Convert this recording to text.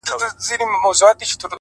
ددې سايه به ;پر تا خوره سي;